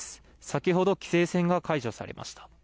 先ほど規制線が解除されました。